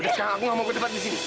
sekarang aku gak mau ke depan disini